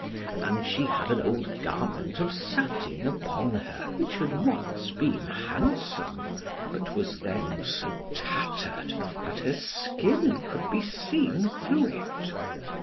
And she had an old garment of satin upon her, which had once been handsome, but was then so tattered, that her skin could be seen through it.